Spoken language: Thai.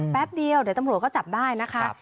แป๊บเดียวเดี๋ยวตำรวจก็จับได้นะคะ